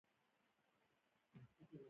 ایا زه مڼه خوړلی شم؟